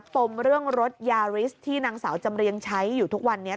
ปมเรื่องรถยาริสที่นางสาวจำเรียงใช้อยู่ทุกวันนี้